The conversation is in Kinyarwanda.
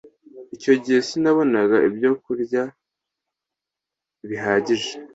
icyo gihe sinabonaga ibyo kurya bihagije